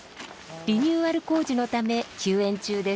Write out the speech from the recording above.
リニューアル工事のため休園中です。